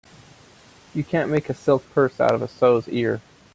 You can't make a silk purse out of a sow's ear.